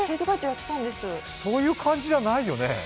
そういう感じじゃないよね。